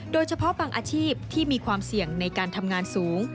โดยเฉพาะบางอาชีพที่มีความเสี่ยงในการทำงานสูง